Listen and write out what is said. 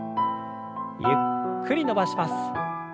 ゆっくり伸ばします。